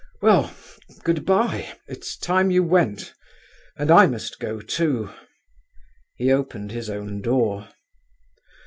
Well, goodbye; it's time you went, and I must go too." He opened his own door.